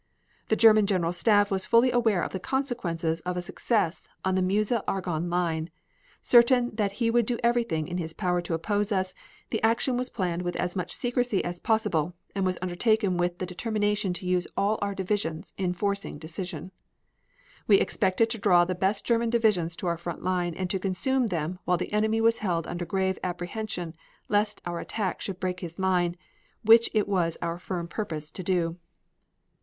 The German General Staff was fully aware of the consequences of a success on the Meuse Argonne line. Certain that he would do everything in his power to oppose us, the action was planned with as much secrecy as possible and was undertaken with the determination to use all our divisions in forcing decision. We expected to draw the best German divisions to our front and to consume them while the enemy was held under grave apprehension lest our attack should break his line, which it was our firm purpose to do.